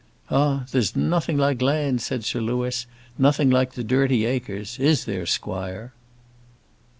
"Ah, there's nothing like land," said Sir Louis: "nothing like the dirty acres; is there, squire?"